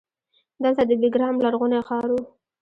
دلته د بیګرام لرغونی ښار و